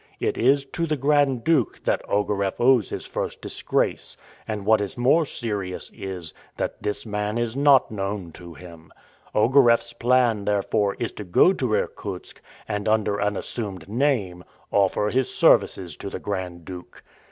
It is to the Grand Duke that Ogareff owes his first disgrace; and what is more serious is, that this man is not known to him. Ogareff's plan, therefore, is to go to Irkutsk, and, under an assumed name, offer his services to the Grand Duke.